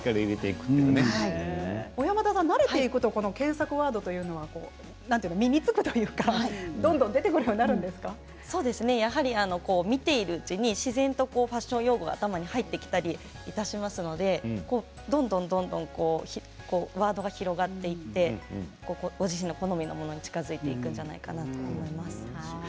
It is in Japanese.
小山田さん、慣れていくと検索ワードは身につくというか見ているうちに自然とファッション用語が頭に入ってきたりしますのでどんどんワードが広がっていってご自身の好みのものに近づいていくんじゃないかなと思います。